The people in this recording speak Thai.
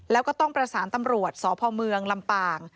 แล้วก็ต้องประสานตำรวจสพเมืองลำปาง